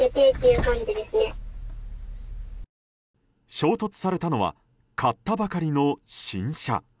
衝突されたのは買ったばかりの新車。